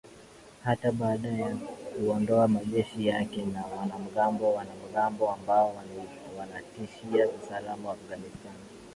hata baada kuyaondoa majeshi yake na wanamgambo wanamgambo ambao wanatishia usalama afghanistan